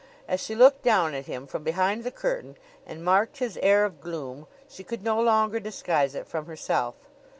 As she looked down at him from behind the curtain, and marked his air of gloom, she could no longer disguise it from herself.